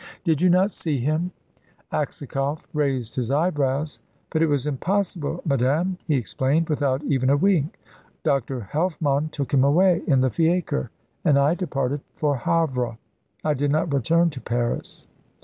"Did you not see him?" Aksakoff raised his eyebrows. "But it was impossible, madame," he explained, without even a wink. "Dr. Helfmann took him away in the fiacre and I departed for Havre. I did not return to Paris."